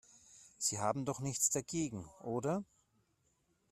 Sie haben doch nichts dagegen, oder?